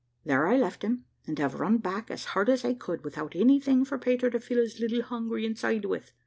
There I left him, and have run back as hard as I could, without any thing for Peter to fill his little hungry inside with.